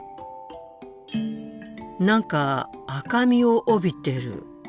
何か赤みを帯びてる。